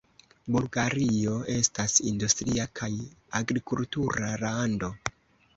Bulgario estas industria kaj agrikultura lando.